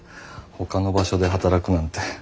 ほかの場所で働くなんて。